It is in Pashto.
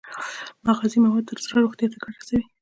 مغذي مواد د زړه روغتیا ته ګټه رسوي.